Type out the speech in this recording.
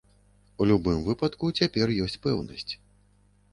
У любым выпадку, цяпер ёсць пэўнасць.